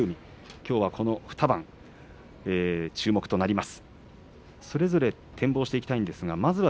きょうはこの２番注目となります。